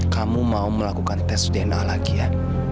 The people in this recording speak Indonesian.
kamu mau melakukan tes dna lagi ya